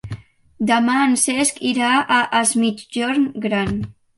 Demà en Cesc irà a Es Migjorn Gran.